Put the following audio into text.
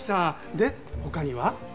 で他には？